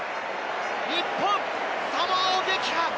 日本、サモアを撃破！